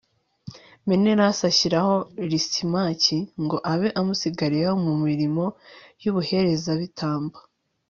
menelasi ashyiraho lisimaki, ngo abe amusigariyeho mu mirimo y'ubuherezabitambo